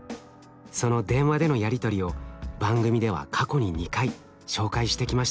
その電話でのやり取りを番組では過去に２回紹介してきました。